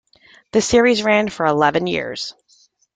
The series ran for eleven years.